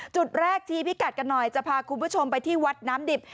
จุดแรกทีพิกัดกันหน่อยจะพาคุณผู้ชมไปที่วัดน้ำดิบ